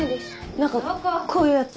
何かこういうやつ。